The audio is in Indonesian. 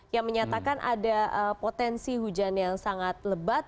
yang menyatakan ada potensi hujan yang sangat lebat